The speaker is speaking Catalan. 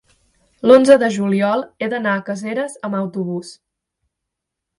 l'onze de juliol he d'anar a Caseres amb autobús.